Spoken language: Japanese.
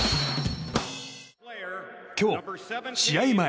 今日、試合前。